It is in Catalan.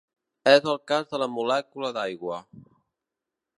És el cas de la molècula d'aigua.